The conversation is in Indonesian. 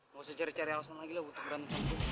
gak usah cari cari alasan lagi lah untuk berantem sama gue